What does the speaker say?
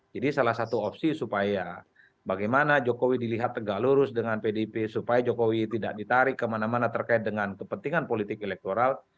jadi salah satu opsi supaya bagaimana jokowi dilihat tegak lurus dengan pdip supaya jokowi tidak ditarik kemana mana terkait dengan kepentingan politik elektoral